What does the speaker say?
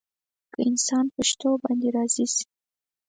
که انسان په شتو باندې راضي شي.